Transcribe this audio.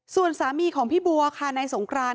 ส่วนสามีของพี่บัวค่ะนายสงคราน